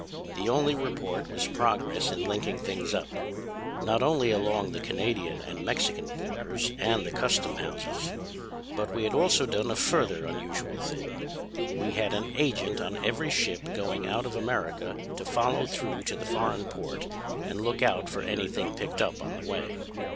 The only report was progress in linking things up; not only along the Canadian and Mexican borders and the customhouses, but we had also done a further unusual thing, we had an agent on every ship going out of America to follow through to the foreign port and look out for anything picked up on the way.